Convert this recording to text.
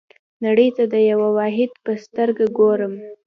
نړۍ ته د یوه واحد په سترګه ګورم.